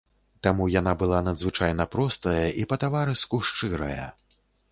Таму яна была надзвычайна простая і па-таварыску шчырая.